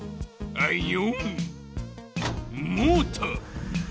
あいよ。